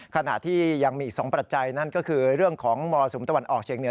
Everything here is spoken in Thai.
ขณะที่ยังมีอีก๒ประจัยนั่นก็คือเรื่องของมศอเชียงเหนือ